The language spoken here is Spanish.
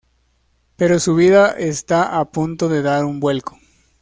Pero su vida está a punto de dar un vuelco.